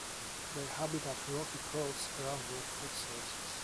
They habitat rocky coasts around their food sources.